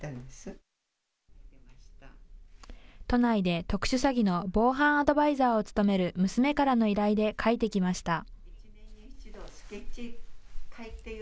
都内で特殊詐欺の防犯アドバイザーを務める娘からの依頼で描いてきました。